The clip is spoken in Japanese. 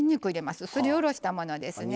すり下ろしたものですね。